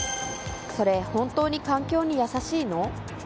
それ、本当に環境に優しいの？